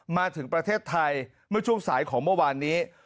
มาถึงประเทศไทยเมื่อช่วงสายของเมื่อวานนี้